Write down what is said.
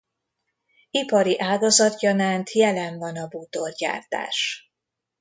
Ipari ágazat gyanánt jelen van a bútorgyártás.